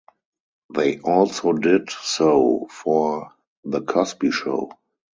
They also did so for "The Cosby Show".